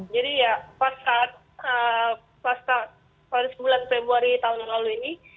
jadi ya pas saat pas tahun sembilan februari tahun lalu ini